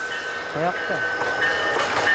“Qayoqqa?”